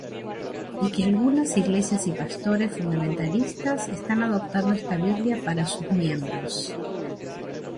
Y que algunas iglesias y pastores fundamentalistas están adoptando esta Biblia para sus miembros.